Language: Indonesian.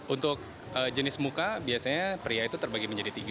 untuk jenis muka biasanya pria itu terbagi menjadi tiga